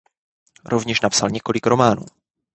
Rovněž napsal několik románů.